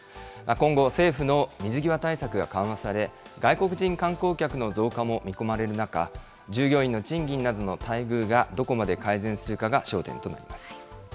今後、政府の水際対策が緩和され、外国人観光客の増加も見込まれる中、従業員の賃金などの待遇がどこまで改善するかが焦点となります。